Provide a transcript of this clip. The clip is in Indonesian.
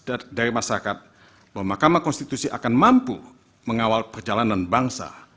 dari masyarakat bahwa mahkamah konstitusi akan mampu mengawal perjalanan bangsa